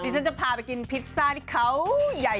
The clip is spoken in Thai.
ฉันจะพาไปกินพิซซ่าที่เขาใหญ่